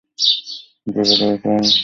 যাবার আগে কলহ কি ভালো?